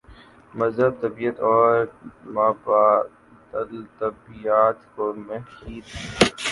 مذہب طبیعیات اور مابعدالطبیعیات کو محیط ہے۔